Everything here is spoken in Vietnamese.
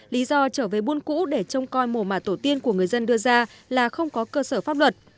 lý do trở về buôn cũ để trông coi mùa mà tổ tiên của người dân đưa ra là không có cơ sở pháp luật